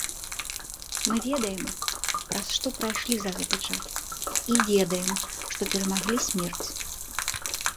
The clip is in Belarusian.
Мы ведаем, праз што прайшлі за гэты час, і ведаем, што перамаглі смерць.